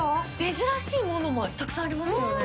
珍しいものもたくさんありますよね。